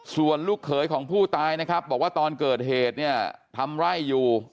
ส่วนลูกเขยของผู้ตายนะครับบอกว่าตอนเกิดเหตุเนี่ยทำไร่อยู่